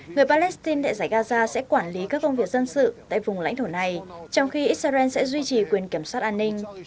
người palestine tại giải gaza sẽ quản lý các công việc dân sự tại vùng lãnh thổ này trong khi israel sẽ duy trì quyền kiểm soát an ninh